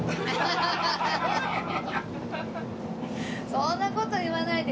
そんな事言わないで。